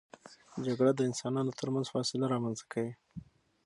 جګړه د انسانانو ترمنځ فاصله رامنځته کوي.